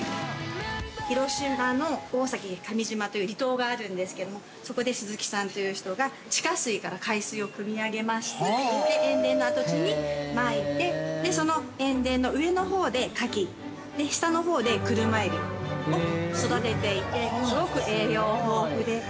◆広島の大崎上島という離島があるんですけれどもそこで、鈴木さんという人が地下水から海水をくみ上げまして塩田の跡地にまいてその塩田の上のほうでカキ下のほうでクルマエビを育てていて、すごく栄養豊富で。